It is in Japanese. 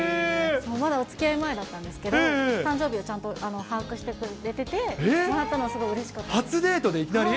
まだおつきあい前だったんですけど、誕生日をちゃんと把握してくれてて、もらったのすごいう初デートでいきなり？